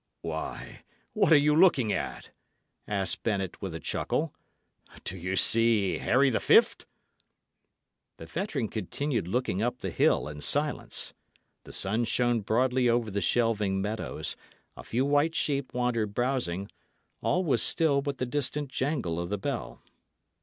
"Why, what are you looking at?" asked Bennet, with a chuckle. "Do, you see Harry the Fift?" The veteran continued looking up the hill in silence. The sun shone broadly over the shelving meadows; a few white sheep wandered browsing; all was still but the distant jangle of the bell.